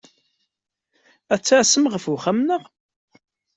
Ad tasemt ɣer wexxam-nneɣ?